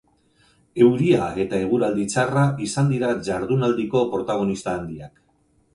Euria eta eguraldi txarra izan dira jardunaldiko protagonista handiak.